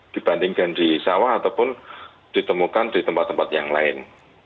dibandingkan di sawah ataupun ditemukan di tempat tempat yang lain